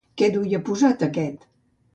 Què duia posat aquest?